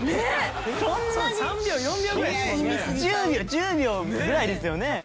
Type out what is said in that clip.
１０秒ぐらいですよね。